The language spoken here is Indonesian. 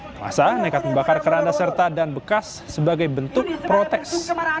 masa nekat membakar keranda serta dan bekas sebagai bentuk protes